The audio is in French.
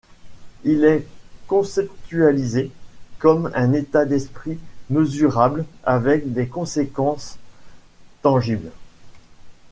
Il est conceptualisé comme un état d'esprit mesurable, avec des conséquences tangibles.